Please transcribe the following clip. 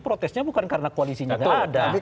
protesnya bukan karena koalisinya gak ada